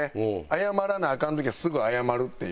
謝らなアカン時はすぐ謝るっていう。